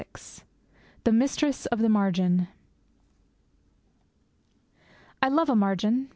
VI THE MISTRESS OF THE MARGIN I love a margin.